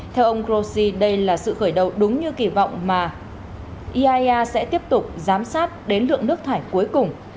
theo ông grossi đây là sự khởi đầu đúng như kỳ vọng mà iaea sẽ tiếp tục giám sát đến lượng nước thải cuối cùng